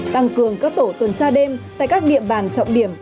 tăng cường các tổ tuần tra đêm tại các địa bàn trọng điểm